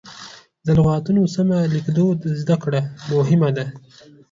د لغتونو سمه لیکدود زده کړه مهمه ده.